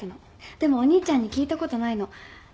でもお兄ちゃんに聞いたことないの。